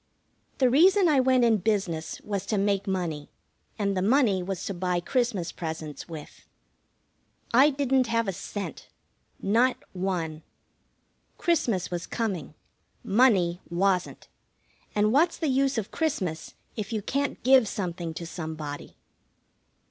The reason I went in business was to make money, and the money was to buy Christmas presents with. I didn't have a cent. Not one. Christmas was coming. Money wasn't. And what's the use of Christmas if you can't give something to somebody?